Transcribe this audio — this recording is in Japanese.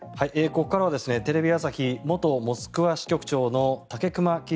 ここからはテレビ朝日元モスクワ支局長の武隈喜